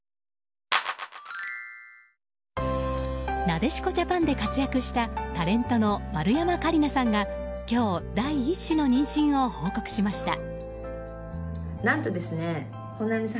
なでしこジャパンで活躍したタレントの丸山桂里奈さんが今日第１子の妊娠を報告しました。